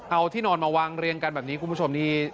เอาที่นอนมาวางเรียงกันแบบนี้คุณผู้ชมนี่